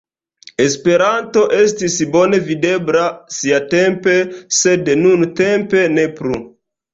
Esperanto estis bone videbla siatempe, sed nuntempe ne plu.